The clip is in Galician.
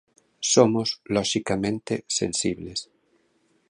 Somos, loxicamente, sensibles.